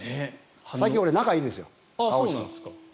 最近俺、仲がいいんですよ。